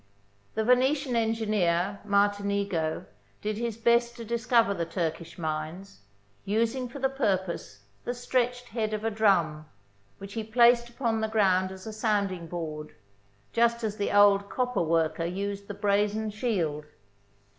The Venetian engineer, Martinigo, did his best to discover the Turkish mines, using for the purpose the stretched head of a drum, which he placed upon the ground as a sounding board — just as the old copper worker used the brazen shield.